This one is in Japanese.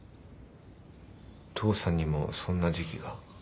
父さんにもそんな時期が。